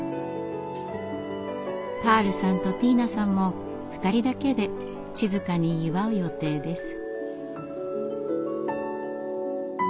カールさんとティーナさんも二人だけで静かに祝う予定です。